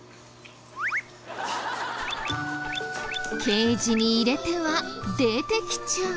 ケージに入れては出てきちゃう。